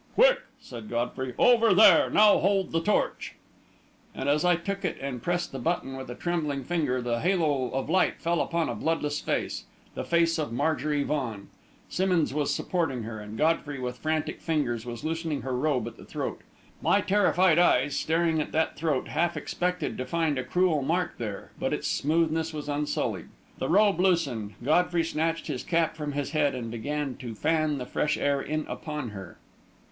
"Quick!" said Godfrey. "Over there. Now hold the torch." And as I took it and pressed the button with a trembling finger, the halo of light fell upon a bloodless face the face of Marjorie Vaughan. Simmonds was supporting her, and Godfrey, with frantic fingers, was loosening her robe at the throat. My terrified eyes, staring at that throat, half expected to find a cruel mark there, but its smoothness was unsullied. The robe loosened, Godfrey snatched his cap from his head and began to fan the fresh air in upon her.